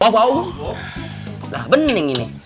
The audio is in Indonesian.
wah bener ini